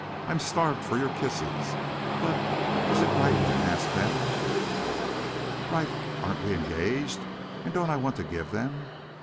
I'm starved for your kisses. But—is it right to ask them?" "Right! Aren't we engaged? And don't I want to give them?"